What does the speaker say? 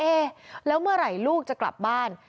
แล้วเมื่อไหร่ลูกจะกลับบ้าน